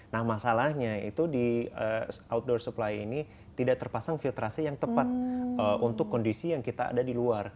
nah masalahnya itu di outdoor supply ini tidak terpasang filtrasi yang tepat untuk kondisi yang kita ada di luar